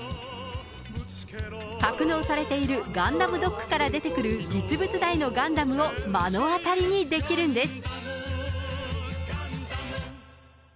格納されているガンダムドックから出てくる実物大のガンダムを目の当たりにできるんです。